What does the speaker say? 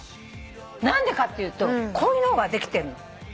何でかっていうとこういうのができてるの。